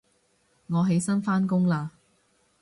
我起身返工喇